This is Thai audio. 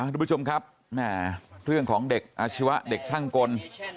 ทุกผู้ชมครับแม่เรื่องของเด็กอาชีวะเด็กช่างกล